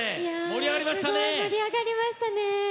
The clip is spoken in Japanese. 盛り上がりましたね。